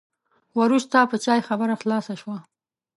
وروسته په چای خبره خلاصه شوه.